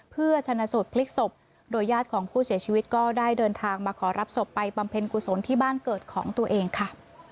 เพื่อชนะสูตรพลิกศพโดยญาติของผู้เสียชีวิตก็ได้เดินทางมาขอรับศพไปบำเพ็ญกุศลที่บ้านเกิดของตัวเองค่ะ